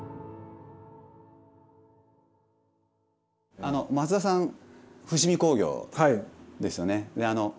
あの松田さん伏見工業ですよね。